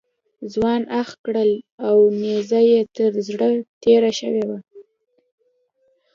ځوان اخ کړل او نیزه یې تر زړه تېره شوې وه.